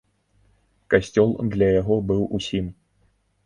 Касцёл для яго быў усім.